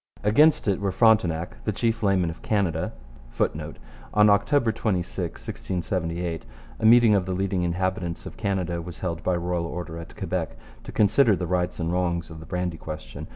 Against it were Frontenac, the chief laymen of Canada, [Footnote: On October 26, 1678, a meeting of the leading inhabitants of Canada was held by royal order at Quebec to consider the rights and wrongs of the brandy question.